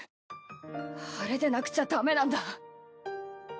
あれでなくちゃ駄目なんだ。